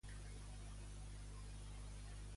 Quins discursos expressaven que no podien aparèixer, però?